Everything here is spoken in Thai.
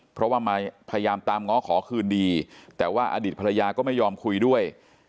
เพราะว่ามาพยายามตามง้อขอคืนดีแต่ว่าอดีตภรรยาก็ไม่ยอมคุยด้วย